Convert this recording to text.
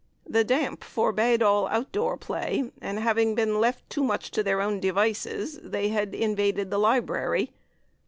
The damp forbad all outdoor play, and, having been left too much to their own devices, they had invaded the library.